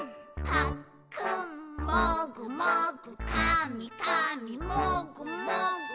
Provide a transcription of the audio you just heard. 「ぱっくんもぐもぐ」「かみかみもぐもぐ」